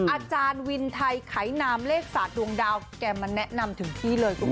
อาจารย์วินไทยไขนามเลขศาสตร์ดวงดาวแกมาแนะนำถึงที่เลยคุณผู้ชม